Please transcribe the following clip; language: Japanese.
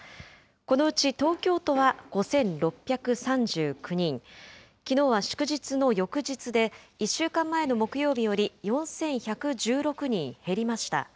このうち東京都は５６３９人、きのうは祝日の翌日で１週間前の木曜日より４１１６人減りました。